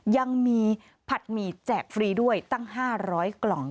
ยังมีผัดหมี่แจกฟรีด้วยตั้ง๕๐๐กล่อง